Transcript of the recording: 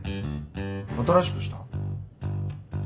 新しくした？